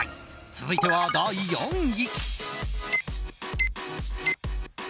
続いては第４位。